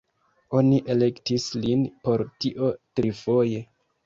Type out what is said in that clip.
Oni elektis lin por tio trifoje.